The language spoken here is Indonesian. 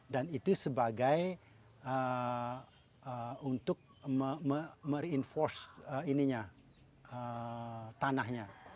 dan itu sebagai untuk mengembangkan tanahnya